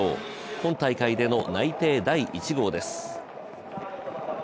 今大会での内定第１号です。